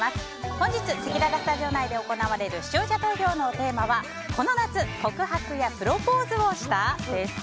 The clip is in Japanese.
本日せきららスタジオ内で行われる視聴者投票のテーマはこの夏、告白やプロポーズをした？です。